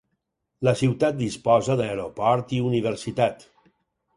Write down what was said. La ciutat disposa d'aeroport i universitat.